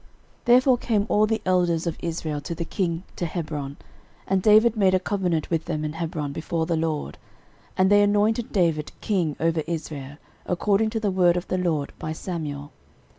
13:011:003 Therefore came all the elders of Israel to the king to Hebron; and David made a covenant with them in Hebron before the LORD; and they anointed David king over Israel, according to the word of the LORD by Samuel.